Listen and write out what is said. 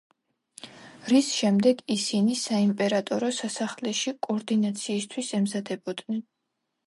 რის შემდეგ ისინი საიმპერატორო სასახლეში კორონაციისთვის ემზადებოდნენ.